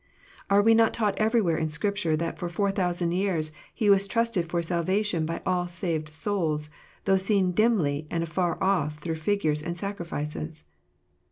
Are we not taught everywhere in Scripture that for 4000 years He was trusted for salvation by all saved souls, though seen dimly and afar off through figures and sacrifices